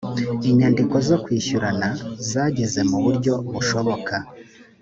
inyandiko zo kwishyurana zageze mu buryo bushoboka